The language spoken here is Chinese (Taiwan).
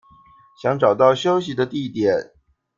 想找到休息的地點